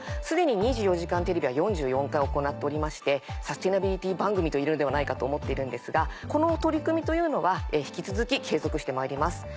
既に『２４時間テレビ』は４４回行っておりましてサステナビリティ番組といえるんではないかと思っているんですがこの取り組みというのは引き続き継続してまいります。